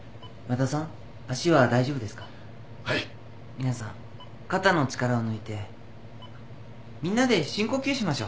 ミナさん肩の力を抜いてみんなで深呼吸しましょ。